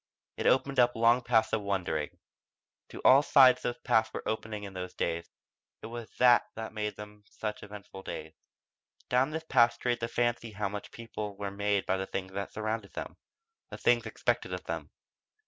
It opened up long paths of wondering. To all sides those paths were opening in those days it was that that made them such eventful days. Down this path strayed the fancy how much people were made by the things which surrounded them the things expected of them.